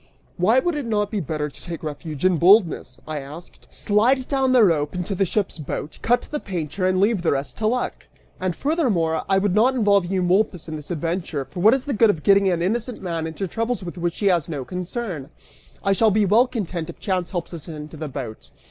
"Why would it not be better to take refuge in boldness," I asked, "slide down a rope into the ship's boat, cut the painter, and leave the rest to luck'? And furthermore, I would not involve Eumolpus in this adventure, for what is the good of getting an innocent man into troubles with which he has no concern? I shall be well content if chance helps us into the boat."